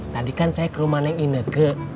tadi kan saya ke rumah neng ineke